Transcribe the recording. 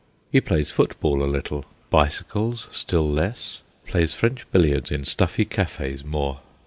He plays football a little, bicycles still less; plays French billiards in stuffy cafes more.